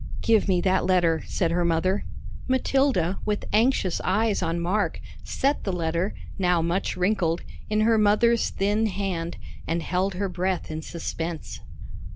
"Give me that letter," said her mother. Matilda, with anxious eyes on Mark, set the letter, now much wrinkled, in her mother's thin hand, and held her breath in suspense.